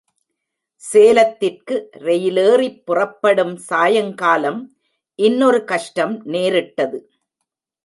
சேலத்திற்கு ரெயிலேறிப் புறப்படும் சாயங்காலம் இன்னொரு கஷ்டம் நேரிட்டது.